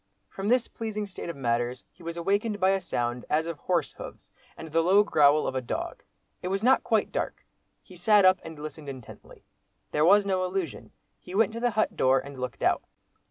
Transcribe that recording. From this pleasing state of matters, he was awakened by a sound as of horse hoofs and the low growl of a dog. It was not quite dark. He sat up and listened intently. There was no illusion. He went to the hut door and looked out.